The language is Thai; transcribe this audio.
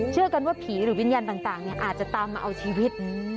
เชื่อกันว่าผีหรือวิญญาณต่างอาจจะตามมาเอาชีวิต